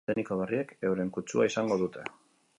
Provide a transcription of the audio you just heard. Tekniko berriek euren kutsua izango dute.